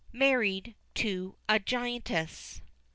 _) MARRIED TO A GIANTESS.